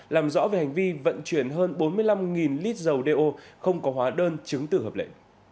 làm rõ về hành vi vận chuyển hơn bốn mươi năm lít dầu đeo không có hóa đơn chứng tử hợp lệ